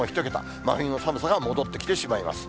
真冬の寒さが戻ってきてしまいます。